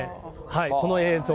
この映像。